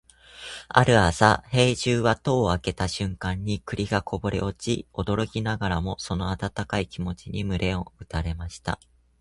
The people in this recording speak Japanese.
ある朝、兵十は戸を開けた瞬間に栗がこぼれ落ち、驚きながらもその温かい気持ちに胸を打たれました。